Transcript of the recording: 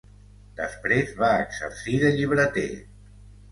Després va exercir de llibreter.